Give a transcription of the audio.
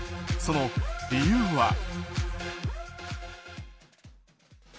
その理由は。